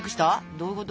どういうこと？